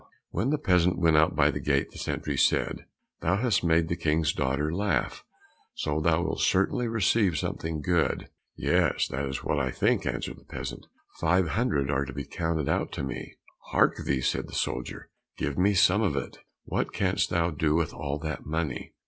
When the peasant went out by the gate, the sentry said, "Thou hast made the King's daughter laugh, so thou wilt certainly receive something good." "Yes, that is what I think," answered the peasant; "five hundred are to be counted out to me." "Hark thee," said the soldier, "give me some of it. What canst thou do with all that money?"